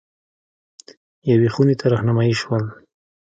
یوې خونې ته رهنمايي شول.